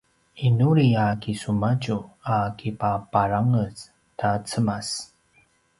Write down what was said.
’inuli a kisumadju a kipaparangez ta cemas